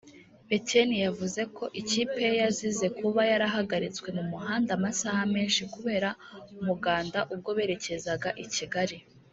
Bekeni yavuze ko ikipe ye yazize kuba yahagaritswe mu muhanda amasaha menshi kubera umuganda ubwo berekezaga i Kigali